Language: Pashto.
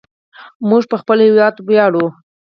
موږ په خپل هیواد ویاړو.